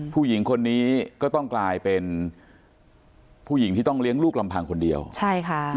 ผู้หญิงคนนี้ก็ต้องกลายเป็นผู้หญิงที่ต้องเลี้ยงลูกลำพังคนเดียวใช่ค่ะ